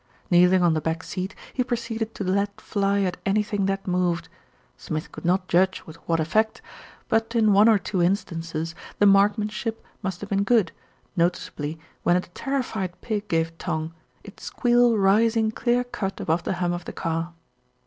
Kneeling on the back seat, he proceeded to let fly at anything that moved. Smith could not judge with what effect; but in one or two instances the marksmanship must have been good, noticeably when a terrified pig gave tongue, its squeal rising clear cut above the hum of the car.